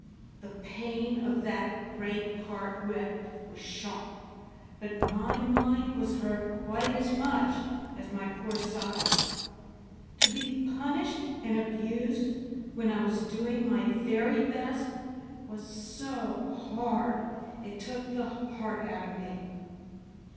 The pain of that great cart whip was sharp, but my mind was hurt quite as much as my poor sides. To be punished and abused when I was doing my very best was so hard it took the heart out of me.